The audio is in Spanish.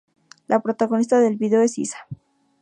La protagonista del video es Isa.